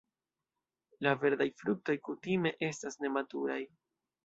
La verdaj fruktoj kutime estas nematuraj.